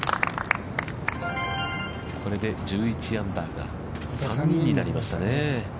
これで１１アンダーが３人になりました。